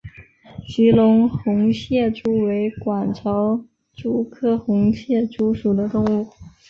吉隆红螯蛛为管巢蛛科红螯蛛属的动物。